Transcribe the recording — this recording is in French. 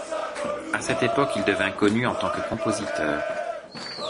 À cette époque il devint connu en tant que compositeur.